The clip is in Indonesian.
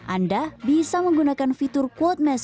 anda bisa menggunakan fitur quote message